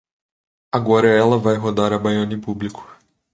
Agora ela vai rodar a baiana em público